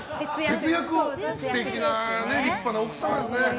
素敵な立派な奥様ですね。